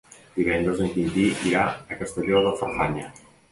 Divendres en Quintí irà a Castelló de Farfanya.